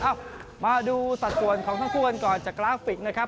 เอ้ามาดูสัดส่วนของทั้งคู่กันก่อนจากกราฟิกนะครับ